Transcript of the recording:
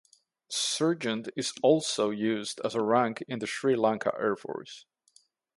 Sergeant is also used as a rank in the Sri Lanka Air Force.